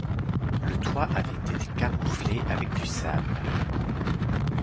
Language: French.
Le toit avait été camouflé avec du sable.